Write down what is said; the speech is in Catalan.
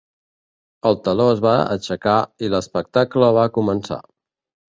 El teló es va aixecar i l'espectacle va començar.